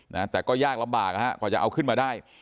นะแต่ก็ยากลำบากนะฮะกว่าจะเอาขึ้นมาได้